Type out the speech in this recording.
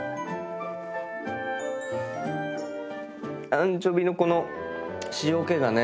アンチョビのこの塩気がね。